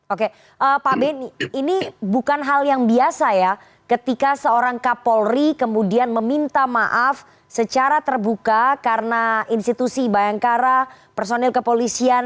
oke pak beni ini bukan hal yang biasa ya ketika seorang kapolri kemudian meminta maaf secara terbuka karena institusi bayangkara personil kepolisian